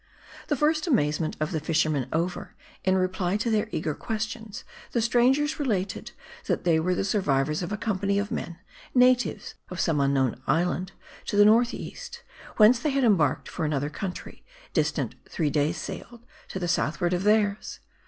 The first amazement of the fishermen over, in reply to their eager questions, the strangers related, that they were the survivors of a company of men, natives of some unknown island to the northeast ; whence they had embarked for another country, distant three days' sail to the southward of theirs.